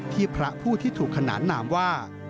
พระผู้ที่ถูกขนานนามว่า